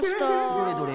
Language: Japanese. どれどれ？